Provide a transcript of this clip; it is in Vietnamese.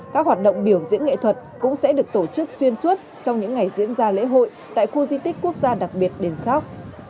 các hoạt động biểu diễn nghệ thuật cũng sẽ được tổ chức xuyên suốt trong những ngày diễn ra lễ hội tại khu di tích quốc gia đặc biệt đền sóc